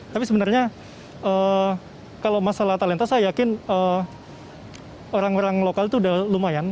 tapi sebenarnya kalau masalah talenta saya yakin orang orang lokal itu sudah lumayan